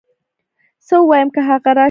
څه ووايم که هغه راشي